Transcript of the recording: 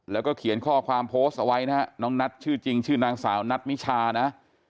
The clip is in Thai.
แล้วก็เขียนข้อความโพสต์เอาไว้นะฮะน้องนัทชื่อจริงชื่อนางสาวนัทมิชานะ